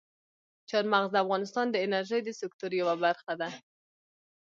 چار مغز د افغانستان د انرژۍ د سکتور یوه برخه ده.